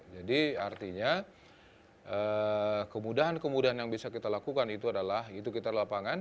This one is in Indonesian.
jadi artinya kemudahan kemudahan yang bisa kita lakukan itu adalah itu kita lapangan